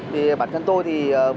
thì bản thân tôi thì